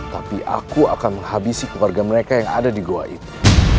tapi aku akan menghabisi keluarga mereka yang ada di goa itu